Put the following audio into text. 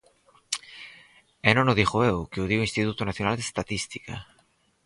E non o digo eu, que o di o Instituto Nacional de Estatística.